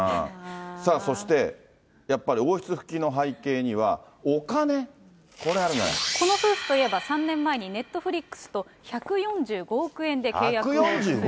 さあ、そしてやっぱり王室復帰の背景には、お金、この夫婦といえば、３年前にネットフリックスと１４５億円で契約を結びました。